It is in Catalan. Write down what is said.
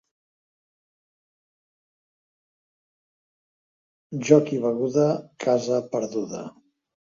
Joc i beguda, casa perduda.